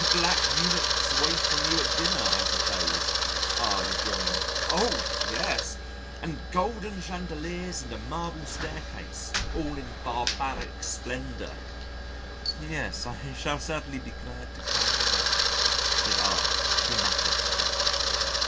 '" "Black eunuchs wait on you at dinner, I suppose," R rejoined. "Oh! yes and golden chandeliers and a marble stair case all in barbaric splendour." "Yes, I shall certainly be glad to come down," said R , phlegmatically.